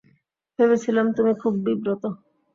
ভেবেছিলাম তুমি খুব বিব্রত।